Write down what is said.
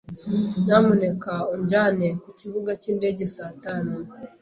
Nyamuneka unjyane ku kibuga cy'indege saa tanu.